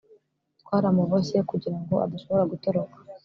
twaramuboshye kugira ngo adashobora gutoroka